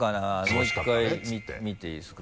もう１回見ていいですか？